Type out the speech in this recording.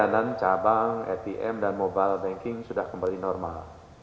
dan cabang atm dan mobile banking sudah kembali normal